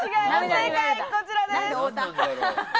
正解こちらです。